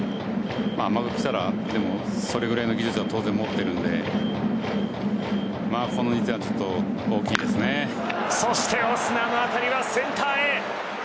甘くきたら、それぐらいの技術は当然持っているのでこの２点はそしてオスナの当たりはセンターへ。